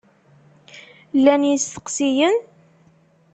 Llan yisteqsiyen?